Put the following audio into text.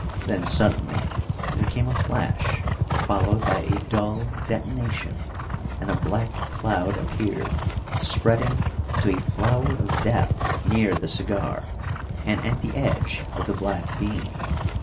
Then suddenly there came a flash, followed by a dull detonation, and a black cloud appeared, spreading into a flower of death near the cigar, and at the edge of the black beam.